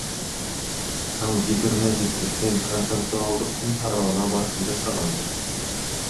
Ал гиперназиктиктен концептуалдыктын тарабына басым жасаган.